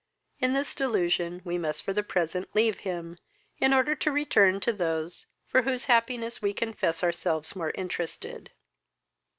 In this delusion we must for the present leave him, in order to return to those for whose happiness we confess ourselves more interested.